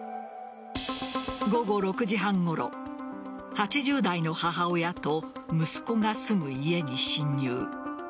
午後６時半ごろ８０代の母親と息子が住む家に侵入。